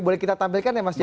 boleh kita tampilkan ya mas ya